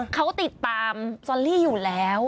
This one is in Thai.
เขาติดตามซอลลี่อยู่แล้ว